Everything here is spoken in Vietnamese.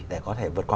để có thể vượt qua